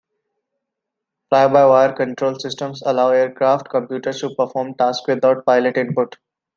Fly-by-wire control systems allow aircraft computers to perform tasks without pilot input.